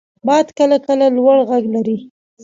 • باد کله کله لوړ ږغ لري.